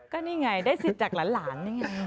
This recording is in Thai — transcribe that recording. ก็นี่ไงได้สิทธิ์จากหลานนี่ไง